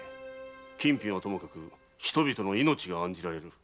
金品はともかく人々の命が案じられる。